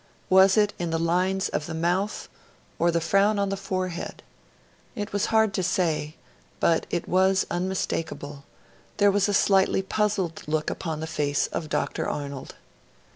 Was it in the lines of the mouth or the frown on the forehead? it was hard to say, but it was unmistakable there was a slightly puzzled look upon the face of Dr. Arnold.